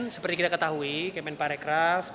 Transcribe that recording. seperti kita ketahui kementerian pariwisata dan ekonomi kreatif